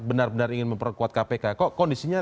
benar benar ingin memperkuat kpk kok kondisinya